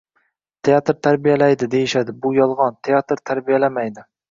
Teatr tarbiyalaydi deyishadi, bu — yolg‘on! Teatr tarbiyalamaydi.